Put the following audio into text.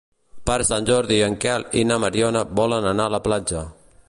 Per Sant Jordi en Quel i na Mariona volen anar a la platja.